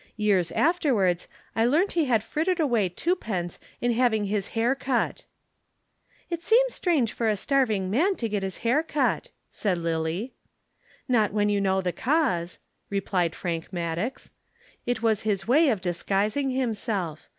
Years afterwards I learnt he had frittered away two pence in having his hair cut." "It seems strange for a starving man to get his hair cut," said Lillie. "Not when you know the cause," replied Frank Maddox. "It was his way of disguising himself.